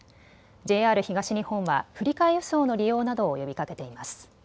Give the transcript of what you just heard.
ＪＲ東日本は振り替え輸送の利用などを呼びかけています。